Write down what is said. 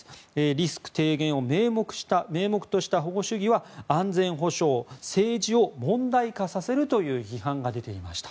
リスク低減を名目とした保護主義は安全保障、政治を問題化させるという批判が出ていました。